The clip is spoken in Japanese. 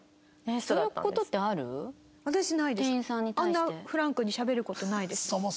あんなフランクにしゃべる事ないです。